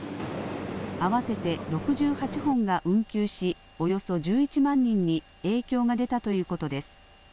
合わせて６８本が運休し、およそ１１万人に影響が出たということです。